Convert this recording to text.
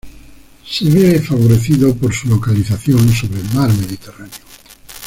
Se ve favorecido por su localización sobre el mar Mediterráneo.